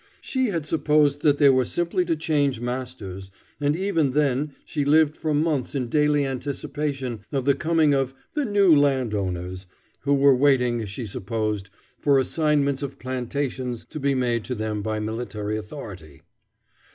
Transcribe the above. She had supposed that they were simply to change masters, and even then she lived for months in daily anticipation of the coming of "the new land owners," who were waiting, she supposed, for assignments of plantations to be made to them by military authority.